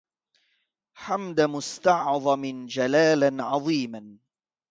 حَمْدَ مُستعظمٍ جلالاً عظيماً